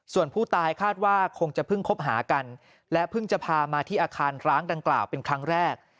ส่วนผู้ตายคาดว่าคงจะเพิ่งคบหากันและเพิ่งจะพามาที่อาคารร้างดังกล่าวเป็นครั้งแรก